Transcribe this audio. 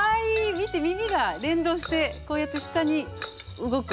見て耳が連動してこうやって下に動く。